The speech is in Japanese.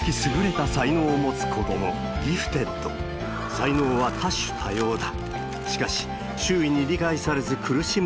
才能は多種多様だ。